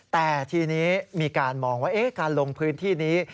แต่ทีนี้มีการมองว่าการลงพื้นที่นี้